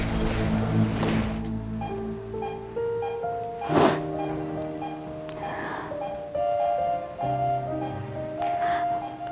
ya udah yuk